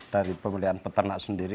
dari pemeliharaan peternak sendiri